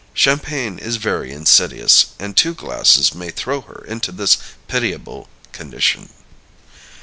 Champagne is very insidious, and two glasses may throw her into this pitiable condition.